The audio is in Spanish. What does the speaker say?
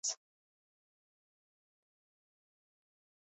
Sus alas son cortas.